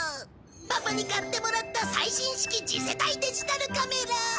パパに買ってもらった最新式次世代デジタルカメラ。